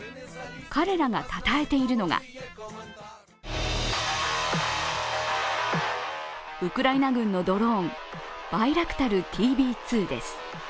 彼らがたたえているのがウクライナ軍のドローンバイラクタルＴＢ２です。